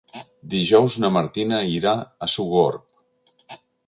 Dijous na Martina irà a Sogorb.